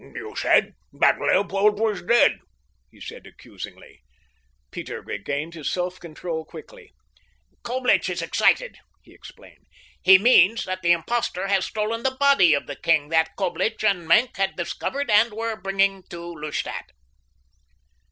"You said that Leopold was dead," he said accusingly. Peter regained his self control quickly. "Coblich is excited," he explained. "He means that the impostor has stolen the body of the king that Coblich and Maenck had discovered and were bringing to Lustadt."